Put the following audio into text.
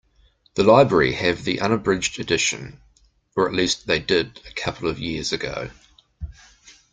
The library have the unabridged edition, or at least they did a couple of years ago.